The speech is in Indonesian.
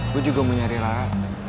gue juga mau nyari lara